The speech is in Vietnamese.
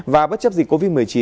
và bất chấp dịch covid một mươi chín